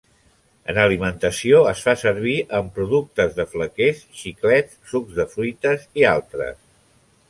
En alimentació es fa servir en productes de flequers, xiclets, sucs de fruites i altres.